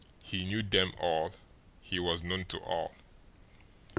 He knew them all; he was known to all.